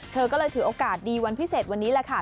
เธอก็เลยถือโอกาสดีวันพิเศษวันนี้แหละค่ะ